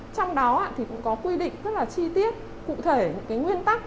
trong đó cũng có quy định rất là chi tiết cụ thể những nguyên tắc